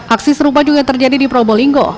aksi serupa juga terjadi di probolinggo